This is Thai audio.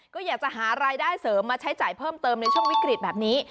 ก็อยากจะหารายได้เสริมมาใช้จ่ายเพิ่มเติมในช่วงวิกฤตแบบนี้